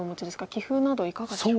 棋風などいかがでしょうか？